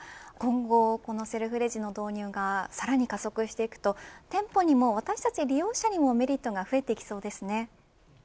今後このセルフレジの導入がさらに加速していくと店舗にも私たち利用者にもメリットが増えてきそうですね。